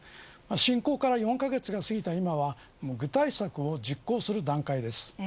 侵攻から４カ月が過ぎた今は具体策を実行する段階です。